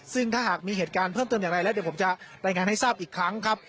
ซึ่งถ้าหากมีเหตุการณ์เพิ่มเติมอย่างไรแล้วเดี๋ยวผมจะรายงานให้ทราบอีกครั้งครับ